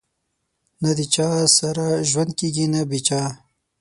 نه د چا سره ژوند کېږي نه بې چا